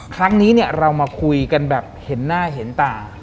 ครั้งนี้เนี่ยเรามาคุยกันแบบเห็นหน้าเห็นตา